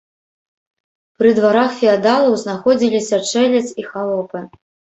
Пры дварах феадалаў знаходзіліся чэлядзь і халопы.